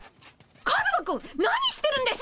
カズマくん何してるんです？